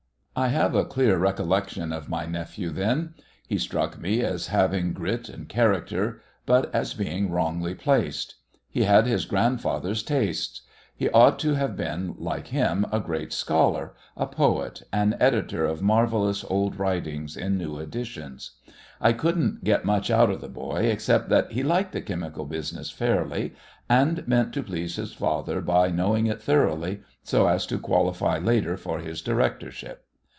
I have a clear recollection of my nephew then. He struck me as having grit and character, but as being wrongly placed. He had his grandfather's tastes. He ought to have been, like him, a great scholar, a poet, an editor of marvellous old writings in new editions. I couldn't get much out of the boy, except that he "liked the chemical business fairly," and meant to please his father by "knowing it thoroughly" so as to qualify later for his directorship.